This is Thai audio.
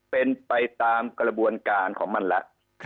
เป็นไปตามกระบวนการของมันแล้ว